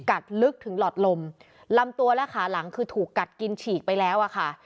ลึกถึงหลอดลมลำตัวและขาหลังคือถูกกัดกินฉีกไปแล้วอะค่ะ